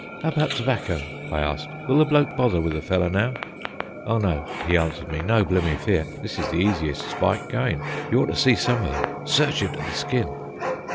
"How about tobacco?" I asked. "Will the bloke bother with a fellow now?" "Oh no," he answered me. "No bloomin' fear. This is the easiest spike goin'. Y'oughto see some of them. Search you to the skin."